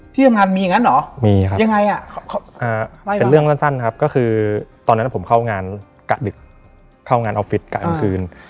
ที่ทำงานมีอย่างนั้นหรือ